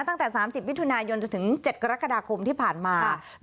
ตั้งแต่สามสิบวิทยุณายนต์จนถึงเจ็ดกรกฎาคมที่ผ่านมาค่ะ